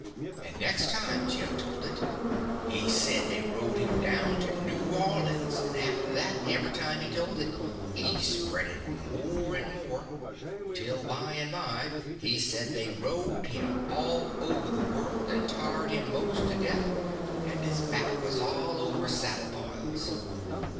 And next time Jim told it he said they rode him down to New Orleans; and, after that, every time he told it he spread it more and more, till by and by he said they rode him all over the world, and tired him most to death, and his back was all over saddle boils.